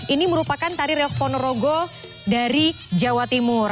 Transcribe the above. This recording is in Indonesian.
ini merupakan tari reok ponorogo dari jawa timur